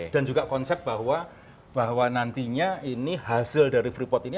dan juga konsep bahwa nantinya ini hasil dari free pot ini